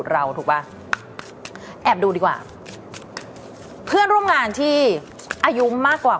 เขามองคุณเป็นอย่างไรค่ะ